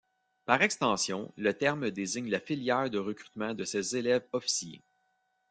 Par extension, le terme désigne la filière de recrutement de ces élèves-officiers.